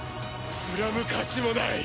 恨む価値もない。